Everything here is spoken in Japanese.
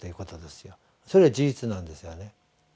それは事実なんですよね。